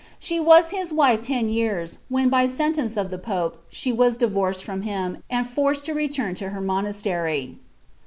She was his wife ten years, when, by sen tence of the pope, she was divorced from him, and forced to return to her mooastery.